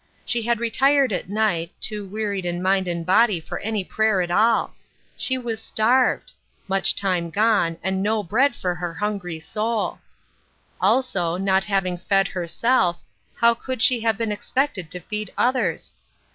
She had re tired at night, too wearied in mind and body for any prayer at all I She was starved I much time gone, and no bread for her hungry soul I Also, S62 Ruth Erakines Cro8U%, having not fed herself, how could she have been expected to feed others